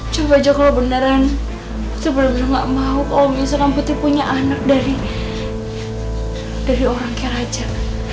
coba aja kalo beneran putri bener bener gak mau kalo misalnya putri punya anak dari orang kaya raja